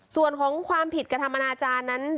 ส่วนของความผิดกระทำอนาจารย์นั้น